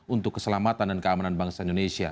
untuk keselamatan dan keamanan bangsa indonesia